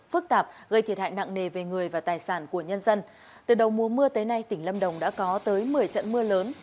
phức tạp gây thiệt hại nặng nề về người và tài sản của nhân dân từ đầu mùa mưa tới nay tỉnh lâm đồng đã có tới một mươi trận mưa lớn